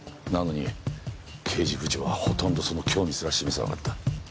なのに刑事部長はほとんどその興味すら示さなかった。